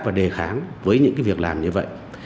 và đề kháng với những việc làm như vậy